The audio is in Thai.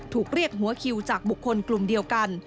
ถูกเรียกหัวคิวจากบุคคลกลุ่มเดียวกัน